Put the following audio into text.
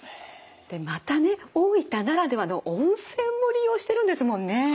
でまたね大分ならではの温泉も利用してるんですもんね。